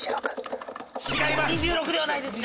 ２６ではないですね。